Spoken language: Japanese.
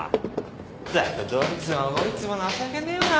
ったくどいつもこいつも情けねえよな。